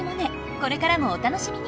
これからもお楽しみに！